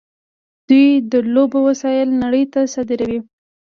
دوی د لوبو وسایل نړۍ ته صادروي.